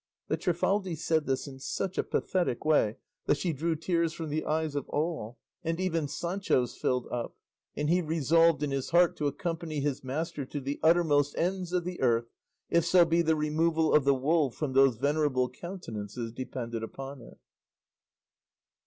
The Trifaldi said this in such a pathetic way that she drew tears from the eyes of all and even Sancho's filled up; and he resolved in his heart to accompany his master to the uttermost ends of the earth, if so be the removal of the wool from those venerable countenances depended upon it.